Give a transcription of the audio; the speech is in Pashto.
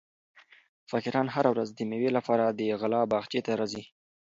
فقیران هره ورځ د مېوې لپاره د غلام باغچې ته راځي.